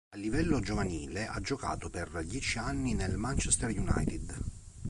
A livello giovanile, ha giocato per dieci anni nel Manchester United.